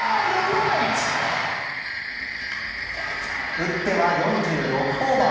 打っては４６ホーマー。